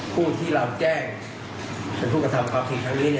ผู้ที่เราแจ้งเป็นผู้กระทำความผิดครั้งนี้